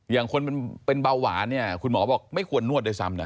อย่างคนเป็นเบาหวานเนี่ยคุณหมอบอกไม่ควรนวดด้วยซ้ำนะ